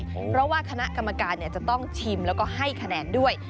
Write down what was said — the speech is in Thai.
เพราะว่าคณะกรรมการจะต้องชิมแล้วก็ให้คะแนนด้วย